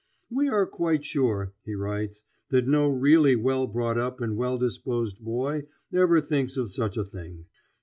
"We are quite sure," he writes, "that no really well brought up and well disposed boy ever thinks of such a thing."